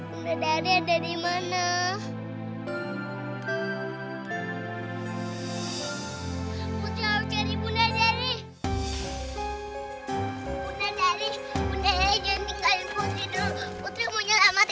bunda dari dimana ya